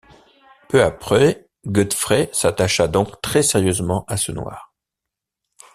Peu à peu, Godfrey s’attacha donc très sérieusement à ce noir.